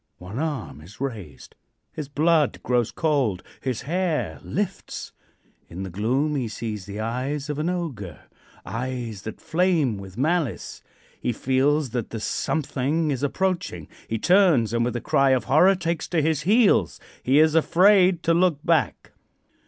One arm is raised. His blood grows cold, his hair lifts. In the gloom he sees the eyes of an ogre eyes that flame with malice. He feels that the something is approaching. He turns, and with a cry of horror takes to his heels. He is afraid to look back.